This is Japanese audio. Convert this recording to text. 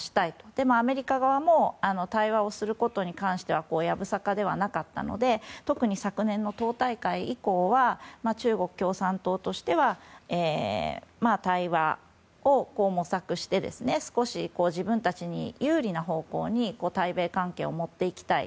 でもアメリカ側も対話をすることに関してはやぶさかではなかったので特に昨年の党大会以降は中国共産党としては対話を模索して少し自分たちに有利な方向に対米関係を持っていきたい。